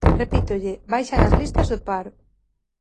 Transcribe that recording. Repítolle: baixan as listas do paro.